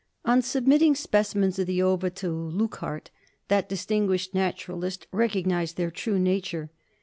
On submitting specimens of the ova to Leuckart, that distinguished naturalist recognised their true nature.